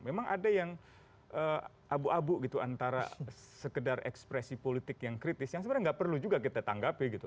memang ada yang abu abu gitu antara sekedar ekspresi politik yang kritis yang sebenarnya nggak perlu juga kita tanggapi gitu